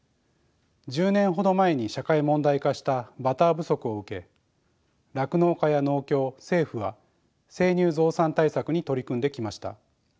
１０年ほど前に社会問題化したバター不足を受け酪農家や農協政府は生乳増産対策に取り組んできました。